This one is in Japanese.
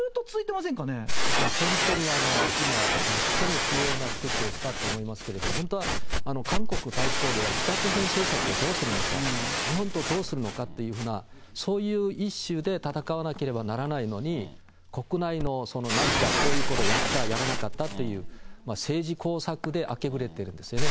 本当に今、とても重要な指摘をしたと思いますけれども、本当は韓国大統領は北朝鮮政策をどうするのか、日本とどうするのかっていうふうな、そういうイシューで闘わなければならないのに、国内の何か、こういうことやった、やらなかったっていう、政治工作で明け暮れているんですよね。